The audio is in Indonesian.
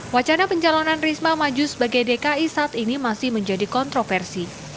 wacana pencalonan risma maju sebagai dki saat ini masih menjadi kontroversi